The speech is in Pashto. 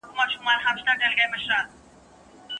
هر کله راته راشي هندوسوز په سجده کې